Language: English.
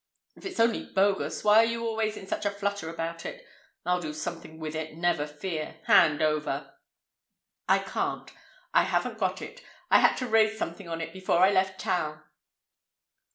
"If it's only bogus, why are you always in such a flutter about it? I'll do something with it, never fear. Hand over." "I can't. I haven't got it. I had to raise something on it before I left town."